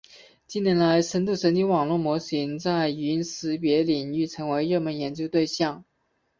近年来，深度神经网络模型在语音识别领域成为热门研究对象。